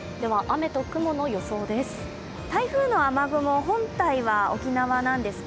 雨と雲の予想です。